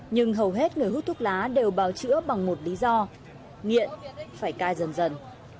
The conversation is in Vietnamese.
nhưng hầu hết người hút thuốc lá đều bào chữa bằng một lý do nghiện phải cai dần dần